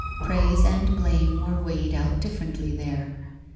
Praise and blame were weighed out differ ently there.